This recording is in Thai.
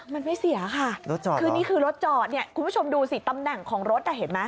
มันไม่เสียค่ะคือนี่คือรถจอดเนี่ยคุณผู้ชมดูสิตำแหน่งของรถอ่ะเห็นไหม